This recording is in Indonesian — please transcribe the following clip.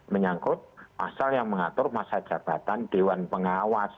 menyangkut pasal yang mengatur masa jabatan dewan pengawas